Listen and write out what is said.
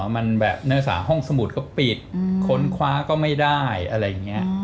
มันแบบเนื้อสาห้องสมุดก็ปิดค้นคว้าก็ไม่ได้อะไรอย่างนี้